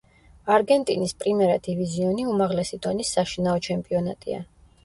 არგენტინის პრიმერა დივიზიონი უმაღლესი დონის საშინაო ჩემპიონატია.